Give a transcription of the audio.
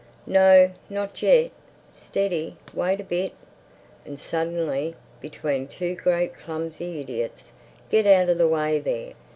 "No, not yet. Steady—wait a bit!" And suddenly, between two great clumsy idiots—"Get out of the way there!"